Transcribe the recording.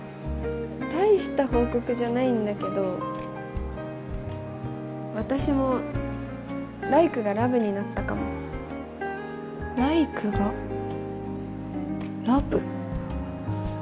たいした報告じゃないんだけど私もライクがラブになったかもライクがラブ？